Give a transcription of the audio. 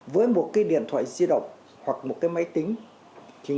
với một cái điện thoại di động hoặc một cái máy tính